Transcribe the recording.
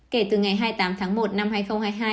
kể từ ngày hai mươi tám tháng một năm hai nghìn hai mươi hai